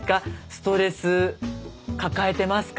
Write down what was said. ストレス抱えてますか？